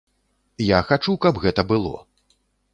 Я хачу, каб гэта было.